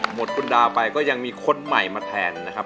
หมดคุณดาวไปก็ยังมีคนใหม่มาแทนนะครับ